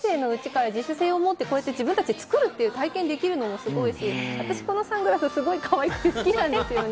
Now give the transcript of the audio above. １年生のうちから実践を持って自分達で作るっていう体験ができるのもすごくて、このサングラス、すごくかわいくて好きなんですけれどね。